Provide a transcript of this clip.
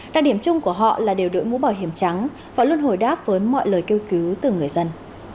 đặc điểm chung của họ là đều đổi mũ bảo hiểm trắng và luôn hồi đáp với mọi lời kêu cứu từ người dân